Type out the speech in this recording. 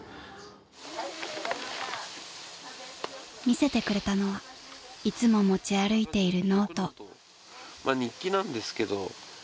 ［見せてくれたのはいつも持ち歩いているノート］日記なんですけど。